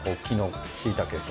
しいたけと。